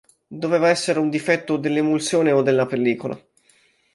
Doveva essere un difetto dell'emulsione o della pellicola.